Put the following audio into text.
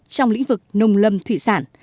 trong lĩnh vực nông lâm thủy sản